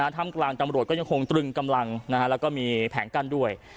ถ้ำกลางตำรวจก็ยังคงตรึงกำลังแล้วก็มีแผงกั้นด้วย